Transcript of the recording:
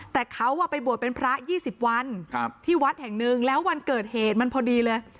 แต่เขาไปบวชเป็นพระ๒๐วันที่วัดแห่งหนึ่งแล้ววันเกิดเหตุมันพอดีเลย